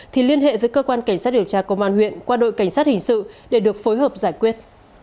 thì liên hệ với cơ quan cảnh sát điều tra công an huyện qua đội cảnh sát hình sự để được phối hợp giải quyết